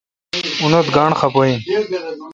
تو انیت گاݨڈ خفہ این۔